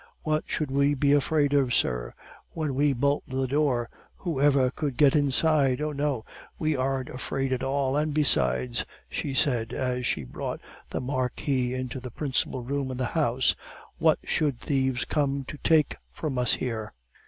"What should we be afraid of, sir? When we bolt the door, who ever could get inside? Oh, no, we aren't afraid at all. And besides," she said, as she brought the Marquis into the principal room in the house, "what should thieves come to take from us here?"